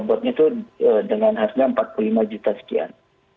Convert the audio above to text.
pembelian robo itu dengan hasilnya rp empat puluh lima sekian